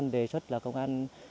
anh đề xuất là công an